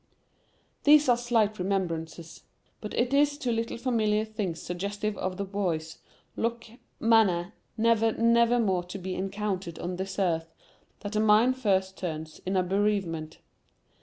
These are slight remembrances; but it is to little familiar things suggestive of the voice, look, manner, never, never more to be encountered on this earth, that the mind first turns in a bereavement.